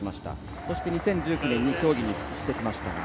そして２０１９年に競技に復帰してきました。